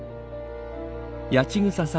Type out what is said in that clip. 八千草さん